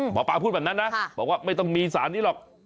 หมอปลาพูดแบบนั้นนะบอกว่าไม่ต้องมีสารนี้หรอก